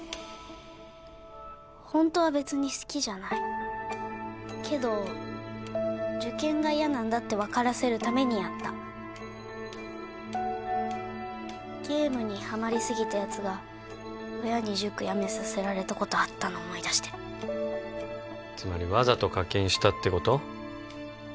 ホントは別に好きじゃないけど受験が嫌なんだって分からせるためにやったゲームにハマりすぎたやつが親に塾やめさせられたことあったの思い出してつまりわざと課金したってこと？